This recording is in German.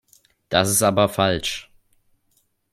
Das ist aber falsch.